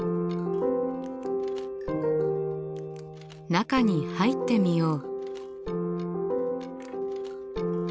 中に入ってみよう。